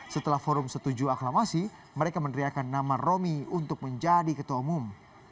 setelah forum setuju aklamasi mereka meneriakan nama romi untuk menjadi ketua umum